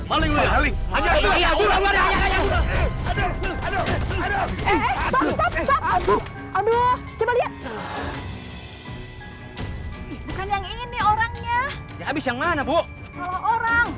aduh aduh aduh aduh aduh aduh aduh coba lihat bukan yang ini orangnya habis yang mana bu orang